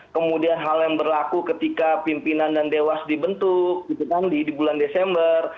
kemudian hal yang berlaku ketika pimpinan dan dewas dibentuk gitu kan di bulan desember